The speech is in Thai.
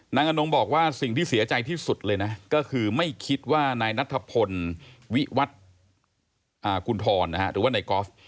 อนงบอกว่าสิ่งที่เสียใจที่สุดเลยนะก็คือไม่คิดว่านายนัทพลวิวัตกุณฑรหรือว่านายกอล์ฟ